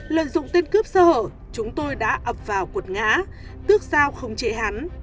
lợi dụng tên cướp sơ hở chúng tôi đã ập vào cuột ngã tước dao không chế hắn